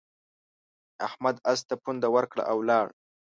احمد اس ته پونده ورکړه او ولاړ.